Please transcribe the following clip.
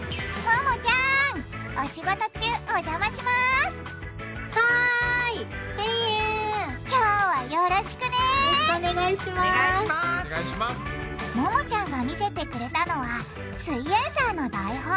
ももちゃんが見せてくれたのは「すイエんサー」の台本。